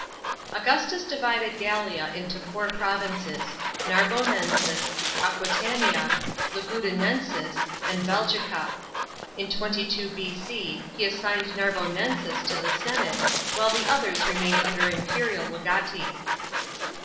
§ 5. Augustus divided Gallia into four provinces : Narbonensis, Aquitania, Lugudunensis, and Belgira. In 22 B.C. he assigned Narbononsis to the senate, while the others remained under imperial legati.